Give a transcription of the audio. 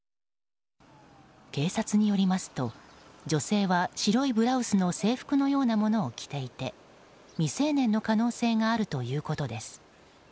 警察によりますと女性は白いブラウスの制服のようなものを着ていて未成年の可能性があるということです。